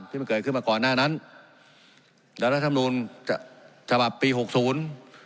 ที่มันเกิดขึ้นมาก่อนหน้านั้นแล้วรัฐธรรมนูลฉบับปีหกศูนย์